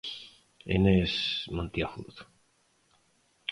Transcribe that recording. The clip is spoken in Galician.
Inés Monteagudo.